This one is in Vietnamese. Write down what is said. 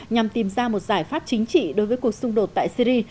nhằm tìm ra một giải pháp chính trị đối với cuộc xung đột tại syri